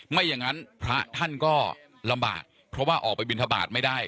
ไม่อย่างนั้นพระท่านก็ลำบากเพราะว่าออกไปบินทบาทไม่ได้